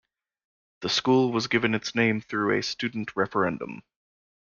The school was given its name through a student referendum.